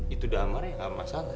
itu damar ya masalah